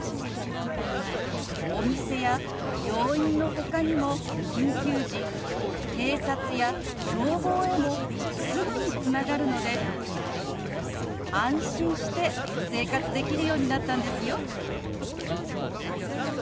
お店や病院のほかにも緊急時警察や消防へもすぐにつながるので安心して生活できるようになったんですよ。